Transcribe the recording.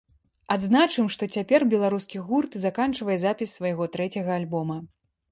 Адзначым, што цяпер беларускі гурт заканчвае запіс свайго трэцяга альбома.